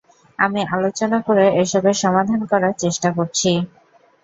আমি আলোচনা করে এসবের সমাধান করার চেষ্টা করছি।